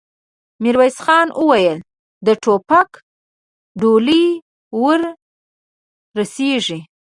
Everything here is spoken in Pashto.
ميرويس خان وويل: د ټوپک ډولۍ ور رسېږي؟